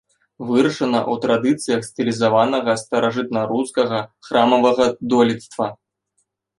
Вырашана ў традыцыях стылізаванага старажытнарускага храмавага дойлідства.